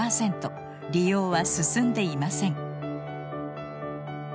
利用は進んでいません。